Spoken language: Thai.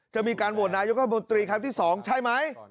จะมีการโหวตนายกรัฐมนตรีครั้งที่๒ใช่ไหม